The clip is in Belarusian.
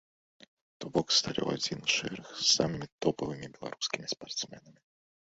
То бок сталі ў адзін шэраг з самымі топавымі беларускімі спартсменамі.